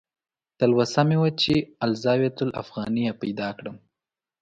تلوسه مې وه چې "الزاویة الافغانیه" پیدا کړم.